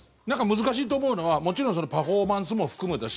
難しいと思うのはもちろんパフォーマンスも含むだし